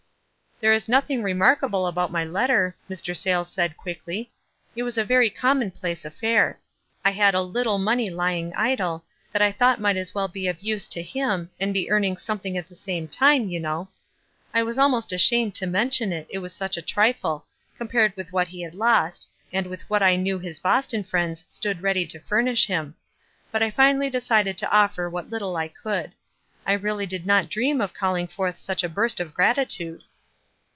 "There was nothing remarkable about my let ter," Mr. Sayles said, quickly. "It was a very commonplace affair. I had a little money lying idle, that I thought might as well be of use to him, and be earning something at the same time, you know. I was almost ashamed to mention it, it was such a trifle, compared with what he had lost, and with what I knew his Boston friends stood ready to furnish him ; but I finally decided to offer what little I could. I really did not dream of calling forth such a burst of grati tude.